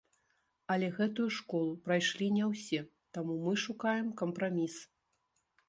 Але гэтую школу прайшлі не ўсе, таму мы шукаем кампраміс.